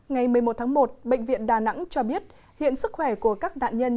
ngày một mươi một tháng một bệnh viện đà nẵng cho biết hiện sức khỏe của các nạn nhân